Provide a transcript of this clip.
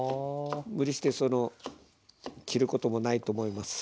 無理して切ることもないと思います。